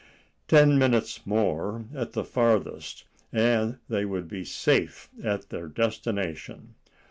Ten minutes more at the farthest, and they would be safe at their destination.